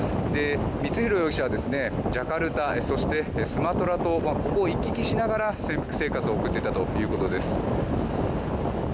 光弘容疑者はジャカルタそしてスマトラ島ここを行き来しながら潜伏生活を送っていたということです。